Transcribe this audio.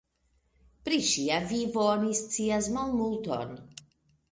Pri ŝia vivo oni scias malmulton.